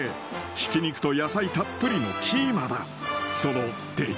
ひき肉と野菜たっぷりのキーマだ。